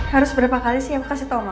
harus berapa kali sih aku kasih tau mama